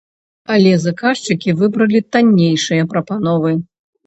Але заказчыкі выбралі таннейшыя прапановы.